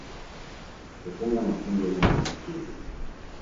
Kutenga makundi yenye maambukizi